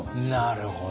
なるほど。